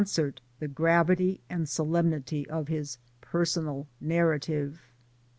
cert the gravity and solemnity of his Personal Narrative."